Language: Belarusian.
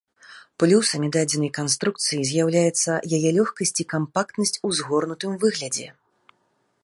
Плюсамі дадзенай канструкцыі з'яўляюцца яе лёгкасць і кампактнасць у згорнутым выглядзе.